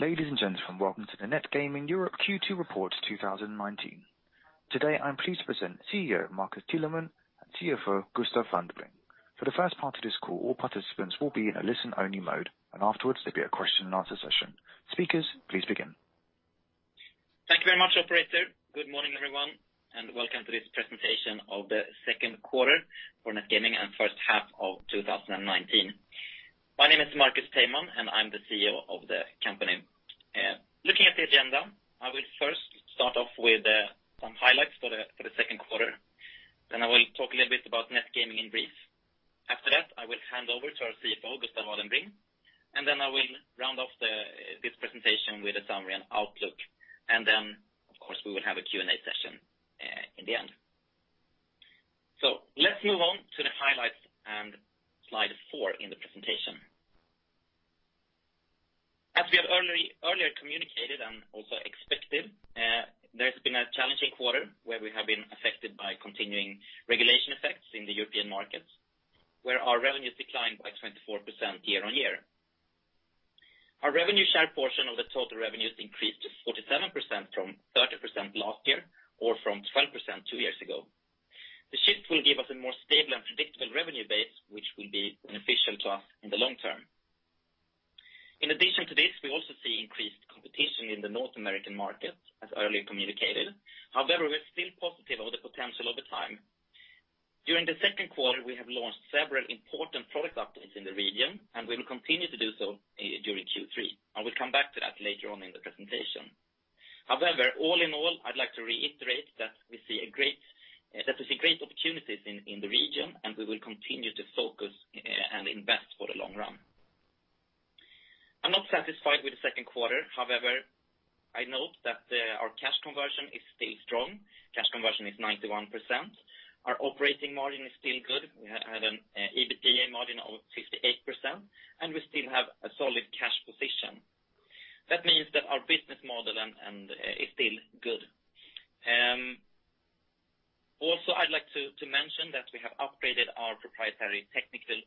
Ladies and gentlemen, welcome to the NetGaming Europe Q2 report 2019. Today, I'm pleased to present CEO Marcus Teilman and CFO Gustav Vadenbring. For the first part of this call, all participants will be in a listen-only mode, and afterwards, there'll be a question-and-answer session. Speakers, please begin. Thank you very much, Operator. Good morning, everyone, and welcome to this presentation of the second quarter for NetGaming and the first half of 2019. My name is Marcus Teilman, and I'm the CEO of the company. Looking at the agenda, I will first start off with some highlights for the second quarter. Then I will talk a little bit about NetGaming in brief. After that, I will hand over to our CFO, Gustav Vadenbring, and then I will round off this presentation with a summary and outlook, and then, of course, we will have a Q&A session in the end. So let's move on to the highlights and slide four in the presentation. As we have earlier communicated and also expected, there's been a challenging quarter where we have been affected by continuing regulation effects in the European markets, where our revenues declined by 24% year-on-year. Our revenue share portion of the total revenues increased to 47% from 30% last year, or from 12% two years ago. The shift will give us a more stable and predictable revenue base, which will be beneficial to us in the long-term. In addition to this, we also see increased competition in the North American market, as earlier communicated. However, we're still positive about the potential over time. During the second quarter, we have launched several important product updates in the region, and we will continue to do so during Q3. I will come back to that later on in the presentation. However, all in all, I'd like to reiterate that we see great opportunities in the region, and we will continue to focus and invest for the long run. I'm not satisfied with the second quarter, however, I note that our cash conversion is still strong. Cash conversion is 91%. Our operating margin is still good. We had an EBITDA margin of 58%, and we still have a solid cash position. That means that our business model is still good. Also, I'd like to mention that we have upgraded our proprietary technical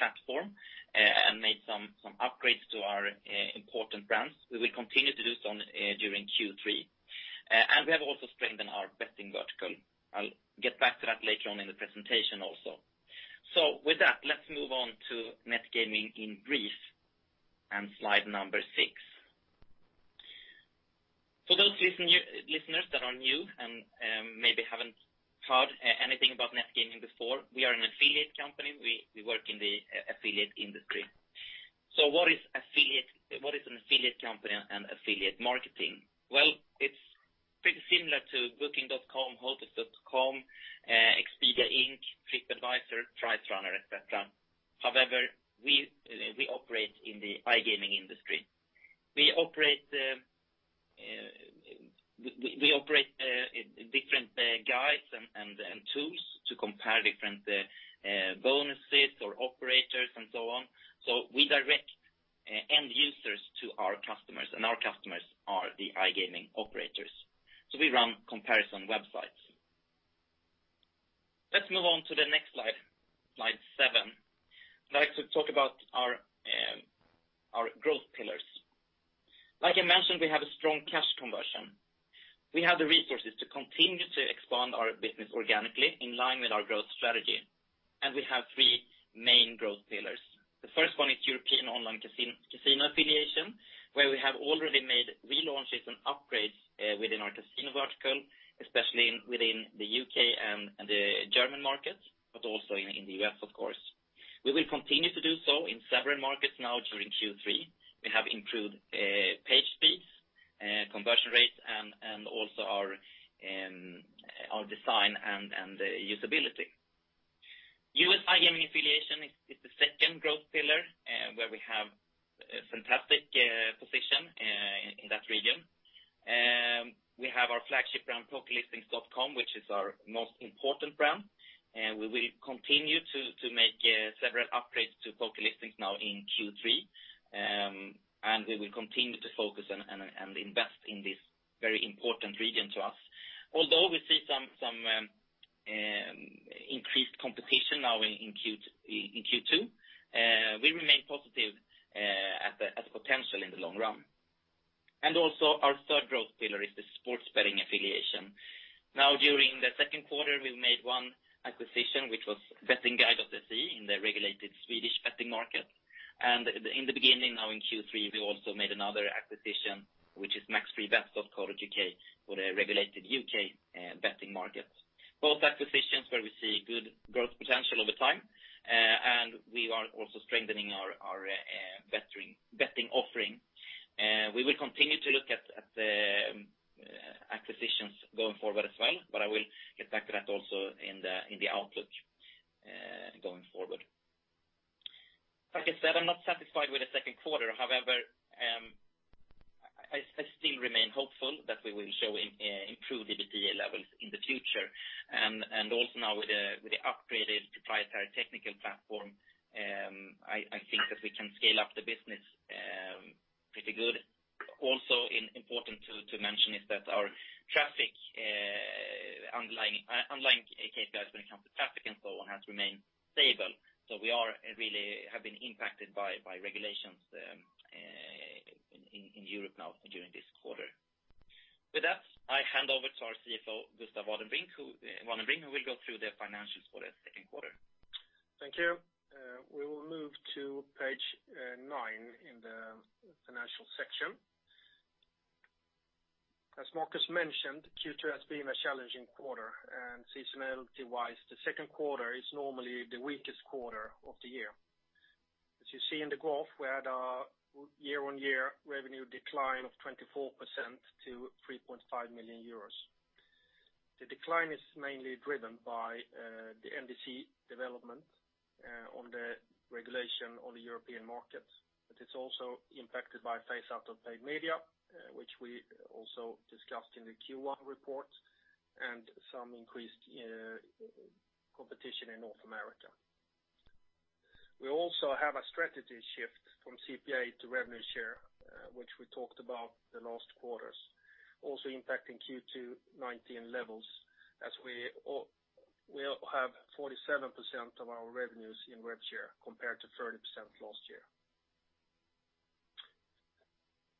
platform and made some upgrades to our important brands. We will continue to do so during Q3 and we have also strengthened our betting vertical. I'll get back to that later on in the presentation also. So with that, let's move on to NetGaming in brief and slide number 6. For those listeners that are new and maybe haven't heard anything about NetGaming before, we are an affiliate company. We work in the affiliate industry. So what is an affiliate company and affiliate marketing? Well, it's pretty similar to Booking.com, Hotels.com, Expedia Inc., TripAdvisor, PriceRunner, etc. However, we operate in the iGaming industry. We operate different guides and tools to compare different bonuses or operators and so on. So we direct end users to our customers, and our customers are the iGaming operators. So we run comparison websites. Let's move on to the next slide, slide seven. I'd like to talk about our growth pillars. Like I mentioned, we have a strong cash conversion. We have the resources to continue to expand our business organically in line with our growth strategy and we have three main growth pillars. The first one is European online casino affiliation, where we have already made relaunches and upgrades within our casino vertical, especially within the U.K. and the German markets, but also in the U.S., of course. We will continue to do so in several markets now during Q3. We have improved page speeds, conversion rates, and also our design and usability. U.S. iGaming affiliation is the second growth pillar, where we have a fantastic position in that region. We have our flagship brand, PokerListings.com, which is our most important brand. We will continue to make several upgrades to PokerListings now in Q3, and we will continue to focus and invest in this very important region to us. Although we see some increased competition now in Q2, we remain positive about the potential in the long run. And also, our third growth pillar is the sports betting affiliation. Now, during the second quarter, we made one acquisition, which was BettingGuide.se in the regulated Swedish betting market. And in the beginning, now in Q3, we also made another acquisition, which is MaxFreeBets.co.uk for the regulated U.K. betting market. Both acquisitions where we see good growth potential over time, and we are also strengthening our betting offering. We will continue to look at acquisitions going forward as well, but I will get back to that also in the outlook going forward. Like I said, I'm not satisfied with the second quarter. However, I still remain hopeful that we will show improved EBITDA levels in the future, and also now, with the upgraded proprietary technical platform, I think that we can scale up the business pretty good. Also, important to mention is that our traffic underlying KPIs when it comes to traffic and so on has remained stable, so we really have been impacted by regulations in Europe now during this quarter. With that, I hand over to our CFO, Gustav Vadenbring, who will go through the financials for the second quarter. Thank you. We will move to page nine in the financial section. As Marcus mentioned, Q2 has been a challenging quarter, and seasonality-wise, the second quarter is normally the weakest quarter of the year. As you see in the graph, we had a year-on-year revenue decline of 24% to 3.5 million euros. The decline is mainly driven by the NDC development on the regulation on the European market. It's also impacted by phase-out of paid media, which we also discussed in the Q1 report, and some increased competition in North America. We also have a strategy shift from CPA to revenue share, which we talked about the last quarters, also impacting Q2 2019 levels, as we have 47% of our revenues in revenue share compared to 30% last year.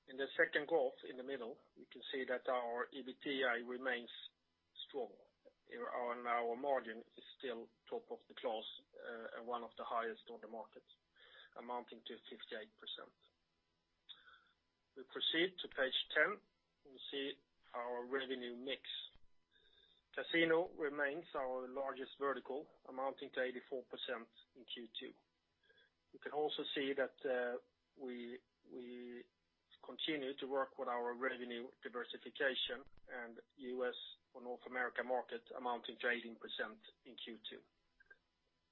In the second graph in the middle, you can see that our EBITDA remains strong. Our margin is still top of the class and one of the highest on the market, amounting to 58%. We proceed to page 10. We see our revenue mix. Casino remains our largest vertical, amounting to 84% in Q2. You can also see that we continue to work with our revenue diversification and US or North America market, amounting to 18% in Q2.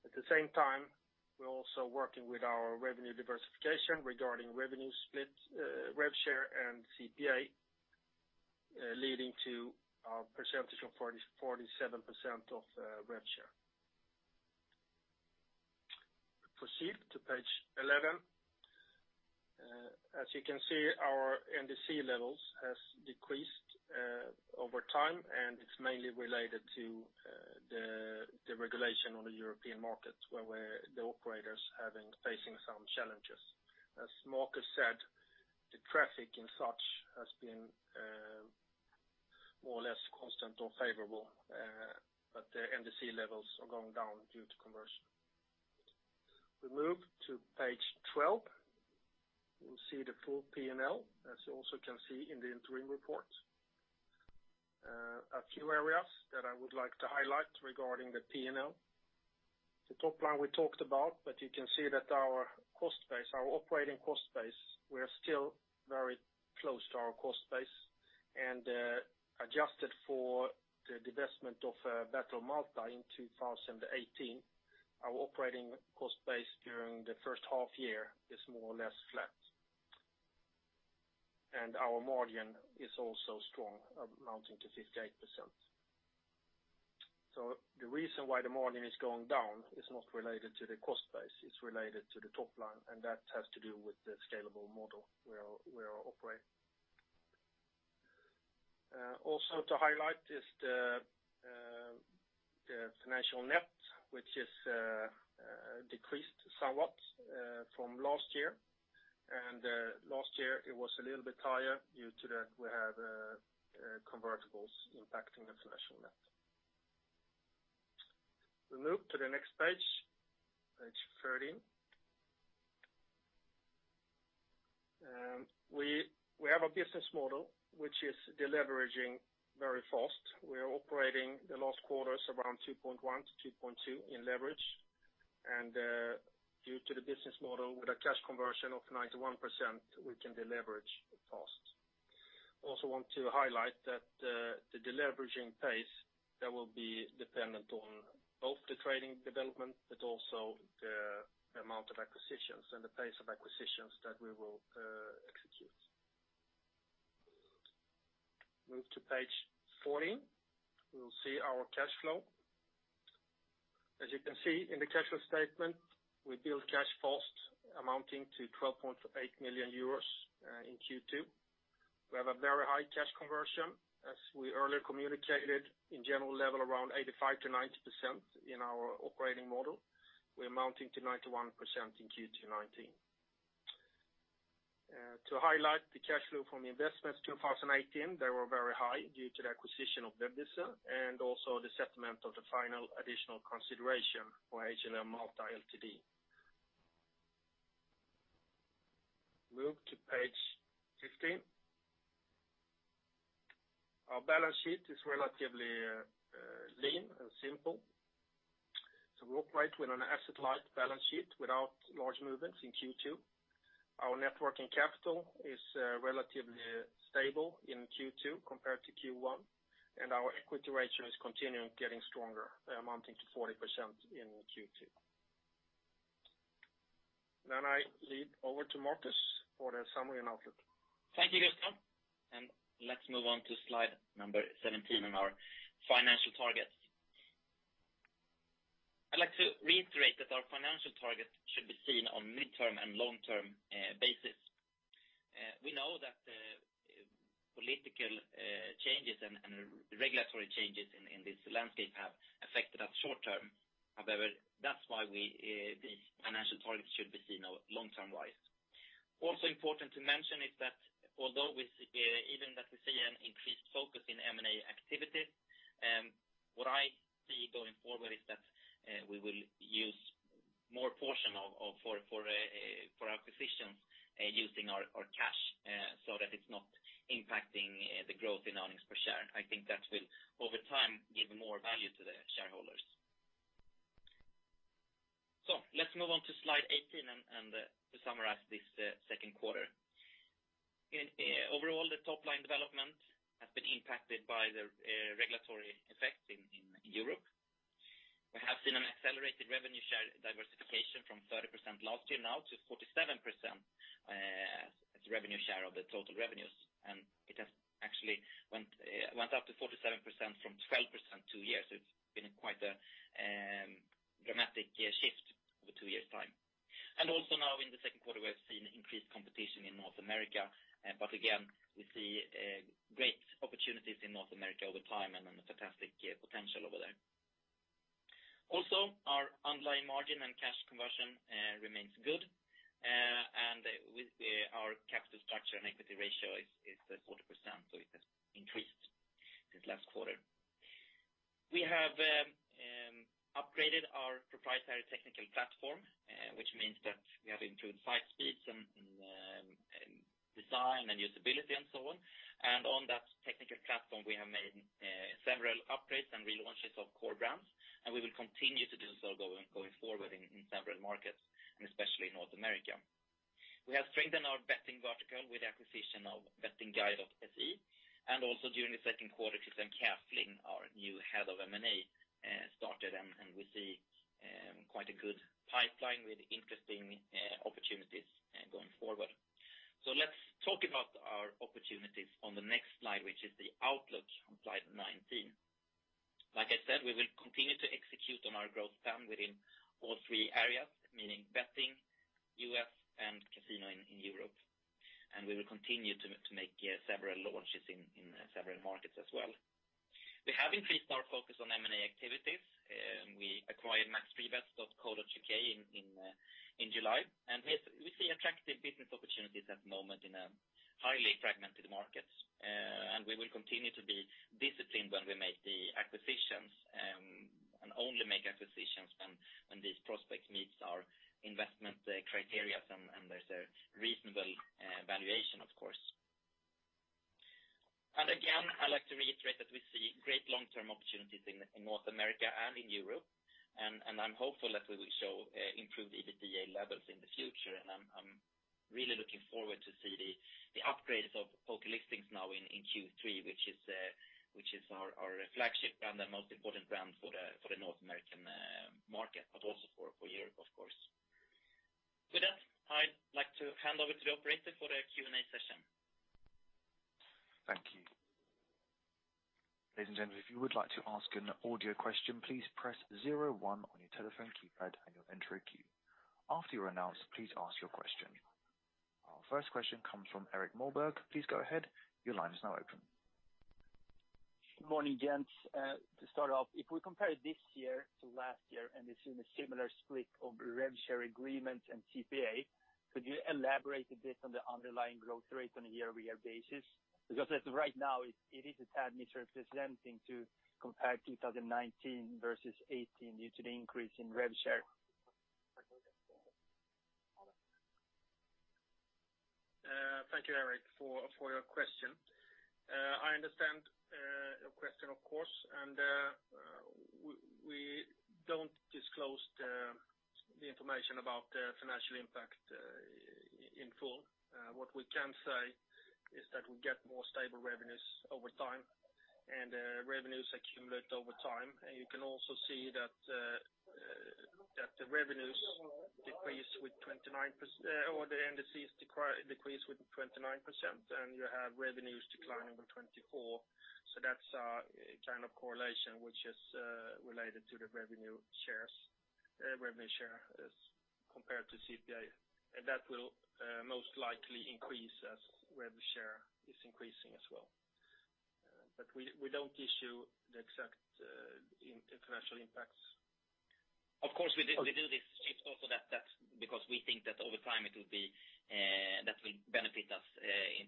At the same time, we're also working with our revenue diversification regarding revenue split, revenue share, and CPA, leading to our percentage of 47% of revenue share. We proceed to page 11. As you can see, our NDC levels have decreased over time, and it's mainly related to the regulation on the European market, where the operators are facing some challenges. As Marcus said, the traffic in such has been more or less constant or favorable, but the NDC levels are going down due to conversion. We move to page 12. You'll see the full P&L, as you also can see in the interim report. A few areas that I would like to highlight regarding the P&L. The top line we talked about, but you can see that our cost base, our operating cost base, we are still very close to our cost base, and adjusted for the divestment of Battle Malta in 2018, our operating cost base during the first half year is more or less flat, and our margin is also strong, amounting to 58%, so the reason why the margin is going down is not related to the cost base. It's related to the top line, and that has to do with the scalable model we are operating. Also, to highlight is the financial net, which has decreased somewhat from last year. Last year, it was a little bit higher due to that we have convertibles impacting the financial net. We move to the next page, page 13. We have a business model which is deleveraging very fast. We are operating the last quarters around 2.1-2.2 in leverage. Due to the business model with a cash conversion of 91%, we can deleverage fast. I also want to highlight that the deleveraging pace will be dependent on both the trading development, but also the amount of acquisitions and the pace of acquisitions that we will execute. Move to page 14. We'll see our cash flow. As you can see in the cash flow statement, we build cash fast, amounting to 12.8 million euros in Q2. We have a very high cash conversion. As we earlier communicated, in general level around 85%-90% in our operating model. We're amounting to 91% in Q2 2019. To highlight the cash flow from investments in 2018, they were very high due to the acquisition of Webwiser and also the settlement of the final additional consideration for HLM Malta Ltd. Move to page 15. Our balance sheet is relatively lean and simple. So we operate with an asset-light balance sheet without large movements in Q2. Our net working capital is relatively stable in Q2 compared to Q1, and our equity ratio is continuing to get stronger, amounting to 40% in Q2. Then I hand over to Marcus for the summary and outlook. Thank you, Gustav. And let's move on to slide number 17 on our financial targets. I'd like to reiterate that our financial targets should be seen on midterm and long-term basis. We know that political changes and regulatory changes in this landscape have affected us short-term. However, that's why these financial targets should be seen long-term-wise. Also important to mention is that even that we see an increased focus in M&A activity, what I see going forward is that we will use more portion for acquisitions using our cash so that it's not impacting the growth in earnings per share. I think that will, over time, give more value to the shareholders. So let's move on to slide 18 and summarize this second quarter. Overall, the top line development has been impacted by the regulatory effects in Europe. We have seen an accelerated revenue share diversification from 30% last year now to 47% revenue share of the total revenues. And it has actually went up to 47% from 12% two years. So it's been quite a dramatic shift over two years' time. And also now, in the second quarter, we have seen increased competition in North America. But again, we see great opportunities in North America over time and a fantastic potential over there. Also, our underlying margin and cash conversion remains good. And our capital structure and equity ratio is 40%, so it has increased since last quarter. We have upgraded our proprietary technical platform, which means that we have improved site speeds and design and usability and so on. And on that technical platform, we have made several upgrades and relaunches of core brands. We will continue to do so going forward in several markets, and especially North America. We have strengthened our betting vertical with the acquisition of BettingGuide.se. Also, during the second quarter, Christian Käfling, our new head of M&A, started, and we see quite a good pipeline with interesting opportunities going forward. Let's talk about our opportunities on the next slide, which is the outlook on slide 19. Like I said, we will continue to execute on our growth plan within all three areas, meaning betting, U.S., and casino in Europe. We will continue to make several launches in several markets as well. We have increased our focus on M&A activities. We acquired MaxFreeBets.co.uk in July. We see attractive business opportunities at the moment in a highly fragmented market. And we will continue to be disciplined when we make the acquisitions and only make acquisitions when these prospects meet our investment criteria and there's a reasonable valuation, of course. And again, I'd like to reiterate that we see great long-term opportunities in North America and in Europe. And I'm hopeful that we will show improved EBITDA levels in the future. And I'm really looking forward to see the upgrades of PokerListings now in Q3, which is our flagship brand and most important brand for the North American market, but also for Europe, of course. With that, I'd like to hand over to the operator for the Q&A session. Thank you. Ladies and gentlemen, if you would like to ask an audio question, please press zero one on your telephone keypad and your entry key. After you're announced, please ask your question. Our first question comes from Erik Moberg. Please go ahead. Your line is now open. Good morning, gents. To start off, if we compare this year to last year and assume a similar split of revenue share agreements and CPA, could you elaborate a bit on the underlying growth rate on a year-over-year basis? Because right now, it is a tad misrepresenting to compare 2019 versus 2018 due to the increase in revenue share. Thank you, Erik, for your question. I understand your question, of course. And we don't disclose the information about the financial impact in full. What we can say is that we get more stable revenues over time, and revenues accumulate over time. And you can also see that the NDCs decrease with 29%, and you have revenues declining with 24%. So that's a kind of correlation which is related to the revenue share compared to CPA. And that will most likely increase as revenue share is increasing as well. But we don't issue the exact financial impacts. Of course, we do this shift also because we think that over time it will benefit us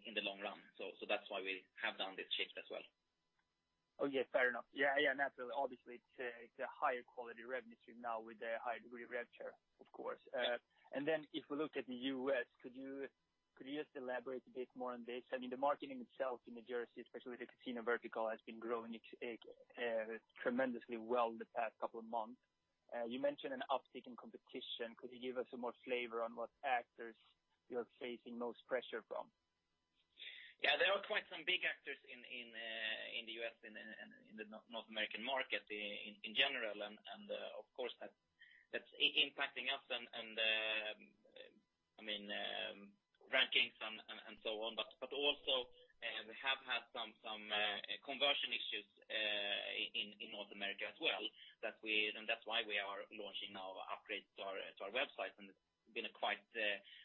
in the long run. So that's why we have done this shift as well. Oh, yeah, fair enough. Yeah, yeah, naturally. Obviously, it's a higher quality revenue stream now with a higher degree of revenue share, of course, and then if we look at the U.S., could you just elaborate a bit more on this? I mean, the marketing itself in New Jersey, especially the casino vertical, has been growing tremendously well the past couple of months. You mentioned an uptick in competition. Could you give us some more flavor on what actors you're facing most pressure from? Yeah, there are quite some big actors in the U.S. and in the North American market in general. And of course, that's impacting us and, I mean, rankings and so on. But also, we have had some conversion issues in North America as well. And that's why we are launching now upgrades to our websites. And it's been quite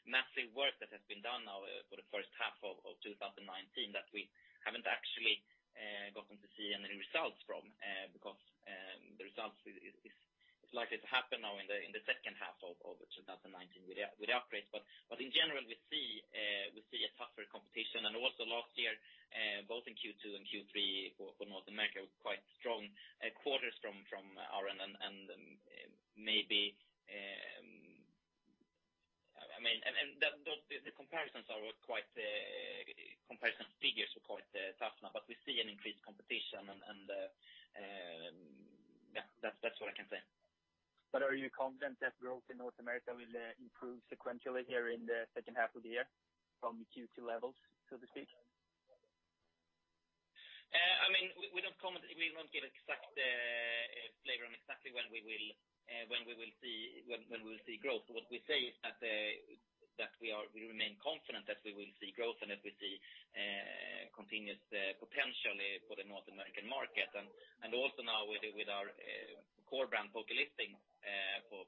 massive work that has been done now for the first half of 2019 that we haven't actually gotten to see any results from because the results are likely to happen now in the second half of 2019 with the upgrades. But in general, we see a tougher competition. And also, last year, both in Q2 and Q3 for North America were quite strong quarters from our end. The comparisons are quite comparison figures were quite tough now but we see an increased competition, and that's what I can say. Are you confident that growth in North America will improve sequentially here in the second half of the year from Q2 levels, so to speak? We don't give exact figure on exactly when we will see growth. What we say is that we remain confident that we will see growth and that we see continuous potential for the North American market. Also now, with our core brand PokerListings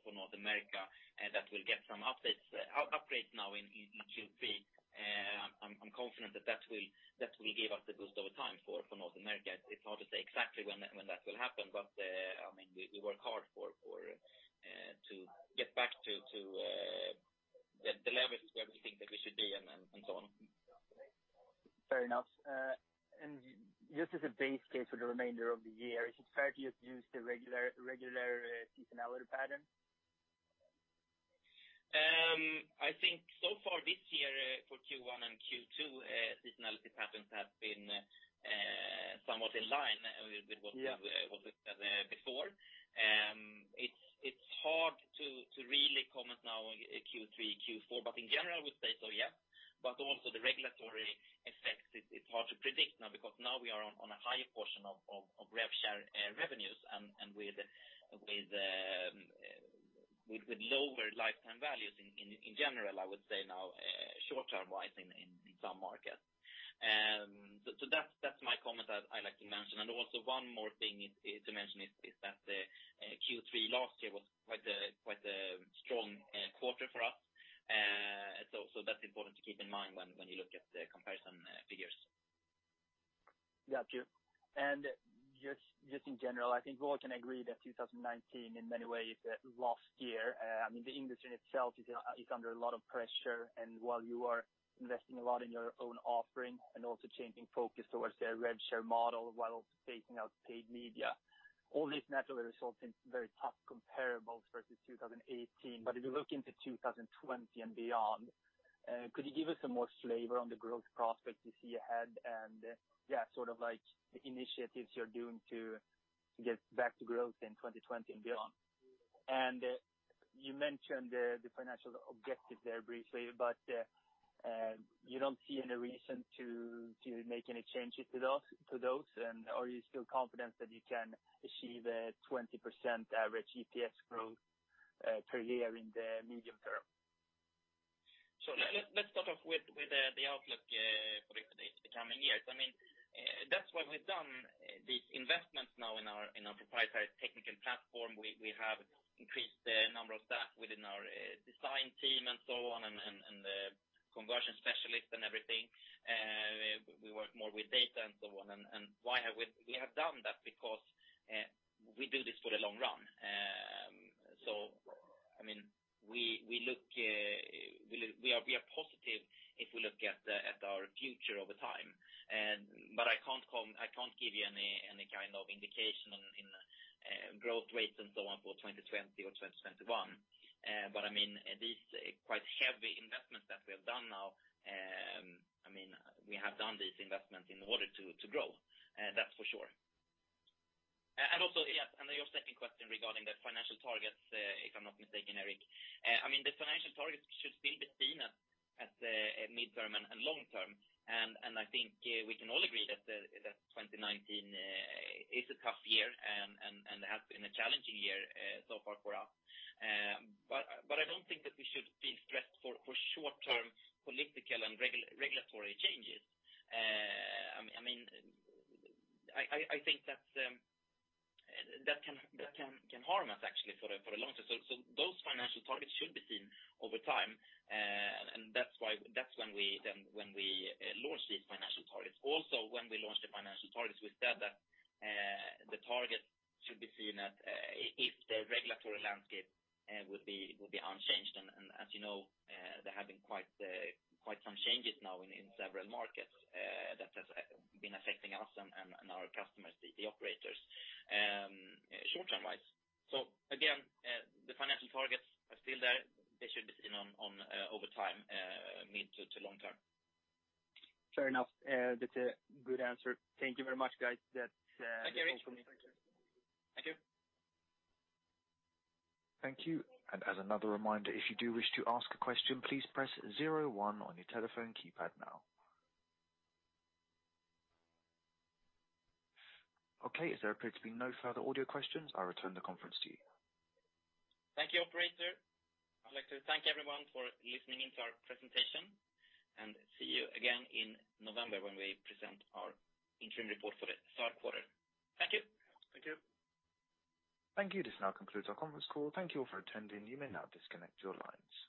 for North America, that will get some upgrades now in Q3. I'm confident that that will give us the boost over time for North America. It's hard to say exactly when that will happen, but I mean, we work hard to get back to the levels where we think that we should be and so on. Fair enough. And just as a base case for the remainder of the year, is it fair to use the regular seasonality pattern? I think so far this year for Q1 and Q2, seasonality patterns have been somewhat in line with what we said before. It's hard to really comment now on Q3, Q4, but in general, I would say so, yes. But also, the regulatory effects, it's hard to predict now because now we are on a higher portion of revenue share revenues and with lower lifetime values in general, I would say now, short-term-wise in some markets. So that's my comment I'd like to mention. And also, one more thing to mention is that Q3 last year was quite a strong quarter for us. So that's important to keep in mind when you look at the comparison figures. Got you. And just in general, I think we all can agree that 2019, in many ways, last year, I mean, the industry in itself is under a lot of pressure. And while you are investing a lot in your own offering and also changing focus towards the revenue share model while phasing out paid media, all this naturally results in very tough comparables versus 2018. But if you look into 2020 and beyond, could you give us some more flavor on the growth prospects you see ahead and, yeah, sort of like the initiatives you're doing to get back to growth in 2020 and beyond? And you mentioned the financial objectives there briefly, but you don't see any reason to make any changes to those. And are you still confident that you can achieve a 20% average EPS growth per year in the medium-term? So let's start off with the outlook for the coming years. I mean, that's why we've done these investments now in our proprietary technical platform. We have increased the number of staff within our design team and so on and the conversion specialist and everything. We work more with data and so on. And why have we done that? Because we do this for the long run. So, I mean, we are positive if we look at our future over time. But I can't give you any kind of indication in growth rates and so on for 2020 or 2021. I mean, these quite heavy investments that we have done now, I mean, we have done these investments in order to grow. That's for sure. And also, yes, and your second question regarding the financial targets, if I'm not mistaken, Erik, I mean, the financial targets should still be seen at midterm and long-term. And I think we can all agree that 2019 is a tough year and has been a challenging year so far for us but I don't think that we should be stressed for short-term political and regulatory changes. I mean, I think that can harm us, actually, for the long-term. So those financial targets should be seen over time. And that's when we launched these financial targets. Also, when we launched the financial targets, we said that the targets should be seen if the regulatory landscape would be unchanged. And as you know, there have been quite some changes now in several markets that have been affecting us and our customers, the operators, short-term-wise. So again, the financial targets are still there. They should be seen over time, mid- to long-term. Fair enough. That's a good answer. Thank you very much, guys. Thank you, Erik. Thank you. Thank you. And as another reminder, if you do wish to ask a question, please press zero one on your telephone keypad now. Okay. It appears there are no further audio questions. I'll return the conference to you. Thank you, Operator. I'd like to thank everyone for listening into our presentation, and see you again in November when we present our interim report for the third quarter. Thank you. Thank you. Thank you. This now concludes our conference call. Thank you all for attending. You may now disconnect your lines.